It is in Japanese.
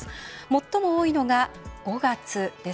最も多いのが５月です。